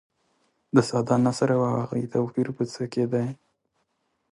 د ساده نثر او هغوي توپیر په څه کې دي.